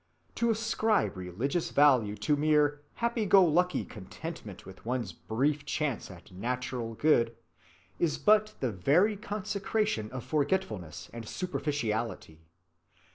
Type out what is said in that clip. To ascribe religious value to mere happy‐go‐lucky contentment with one's brief chance at natural good is but the very consecration of forgetfulness and superficiality.